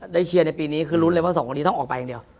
เชียร์ในปีนี้คือลุ้นเลยว่าสองคนนี้ต้องออกไปอย่างเดียว